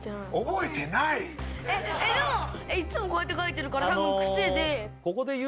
えでもいつもこうやって書いてるから多分クセであのう